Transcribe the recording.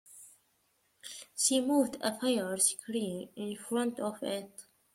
She moved a fire-screen in front of it.